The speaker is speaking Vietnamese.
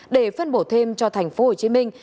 để phân bổ thêm cho thành phố hồ chí minh